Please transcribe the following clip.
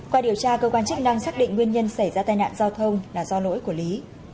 qua điều tra cơ quan chức năng xác định nguyên nhân xảy ra tai nạn giao thông là do lỗi của lý